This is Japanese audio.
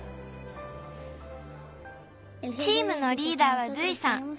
チームのリーダーはドゥイさん。